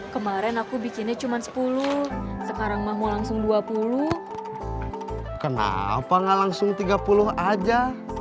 kemarin aku bikinnya cuma sepuluh sekarang mahmu langsung dua puluh kenapa gak langsung tiga puluh aja